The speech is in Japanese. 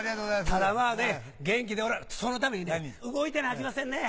ただまぁね元気でおらなそのために動いてなあきませんね。